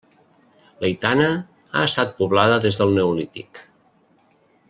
L'Aitana ha estat poblada des del neolític.